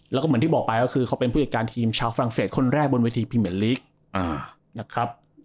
แล้วก็เหมือนที่บอกไปก็คือเขาเป็นผู้จัดการทีมชาวฝรั่งเศสคนแรกบนเวทีพรีเมนลีกนะครับ